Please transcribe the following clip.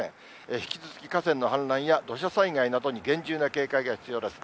引き続き河川の氾濫や土砂災害などに厳重な警戒が必要です。